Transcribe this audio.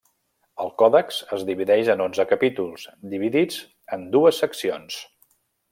El Còdex es divideix en onze capítols, dividits en dues seccions.